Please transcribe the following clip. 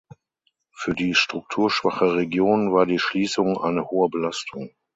Für die strukturschwache Region war die Schließung eine hohe Belastung.